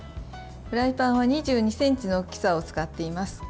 フライパンは２２ｃｍの大きさを使っています。